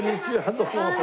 どうも。